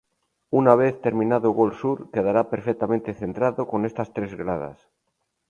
Una vez terminado Gol Sur, quedará perfectamente centrado con estas tres gradas.